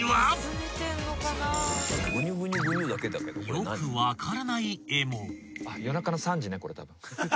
［よく分からない絵も］